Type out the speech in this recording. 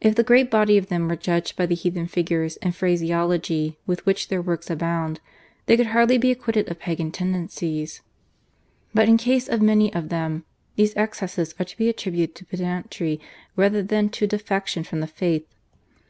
If the great body of them were judged by the heathen figures and phraseology with which their works abound, they could hardly be acquitted of Pagan tendencies; but in case of many of them these excesses are to be attributed to pedantry rather than to defection from the faith.